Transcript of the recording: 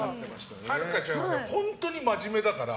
春香ちゃんは本当に真面目だから。